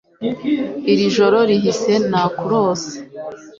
Iri joro rihise nakurose